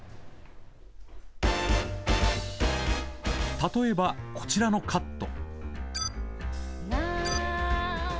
例えば、こちらのカット。